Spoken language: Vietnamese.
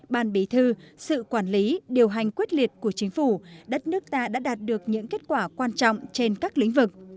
ban bí thư sự quản lý điều hành quyết liệt của chính phủ đất nước ta đã đạt được những kết quả quan trọng trên các lĩnh vực